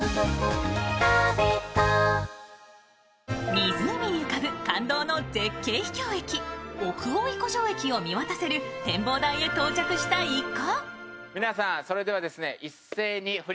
湖に浮かぶ感動の絶景秘境駅、奥大井湖上駅を見渡せる展望台に到着した一行。